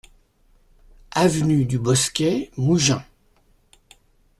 Avenue du Bosquet, Mougins